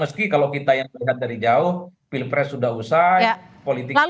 meski kalau kita yang melihat dari jauh pilpres sudah usai politik sudah selesai